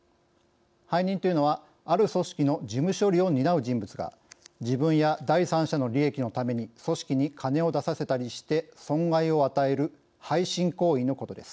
背任というのはある組織の事務処理を担う人物が自分や第三者の利益のために組織に金を出させたりして損害を与える背信行為のことです。